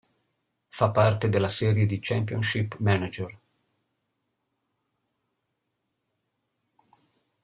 Fa parte della serie di Championship Manager.